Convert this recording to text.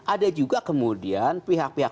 ada juga kemudian pihak pihak